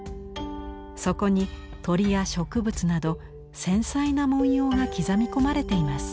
そこに鳥や植物など繊細な文様が刻み込まれています。